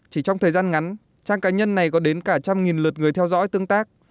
chỉ trong thời gian ngắn trang cá nhân này có đến cả trăm nghìn lượt người theo dõi tương tác